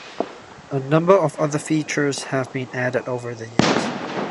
A number of other features have been added over the years.